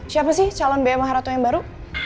siapa sih calon bmh ratu yang baru